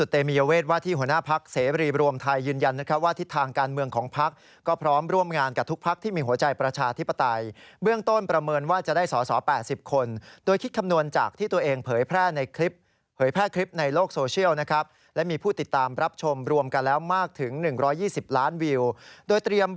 ทำงานใหญ่ทั้งทีก็ต้องทำให้ตัวเองมีความมั่นใจมีความมั่นคงมากที่สุด